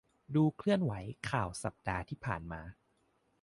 ดูเคลื่อนไหวข่าวสัปดาห์ที่ผ่าน